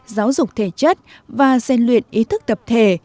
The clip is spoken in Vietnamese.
giáo dục thể chất và gian luyện ý thức tập thể